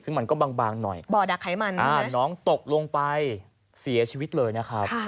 ซึ่งมันก็บางหน่อยบ่อดักไขมันน้องตกลงไปเสียชีวิตเลยนะครับ